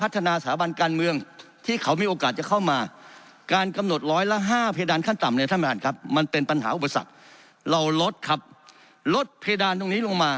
ร้อยละห้าเพดานขั้นต่ำเนี่ยท่านประธานครับมันเป็นปัญหาอุปสรรคเราลดครับลดเพดานตรงนี้ลงมา